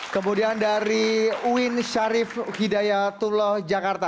kemudian dari uwin sharif hidayatullah jakarta